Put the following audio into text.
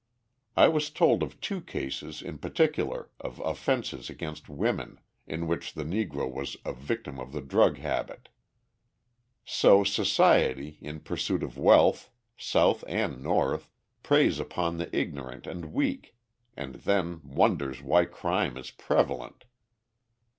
I was told of two cases in particular, of offences against women, in which the Negro was a victim of the drug habit. So society, in pursuit of wealth, South and North, preys upon the ignorant and weak and then wonders why crime is prevalent!